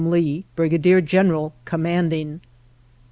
Lee, Brigadier General, Commanding.